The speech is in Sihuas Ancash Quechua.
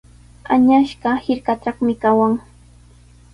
Añasqa hirkatraqmi kawan.